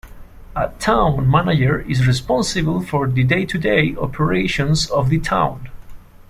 A Town Manager is responsible for the day-to-day operations of the town.